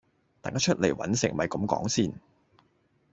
大家出嚟搵食咪咁講先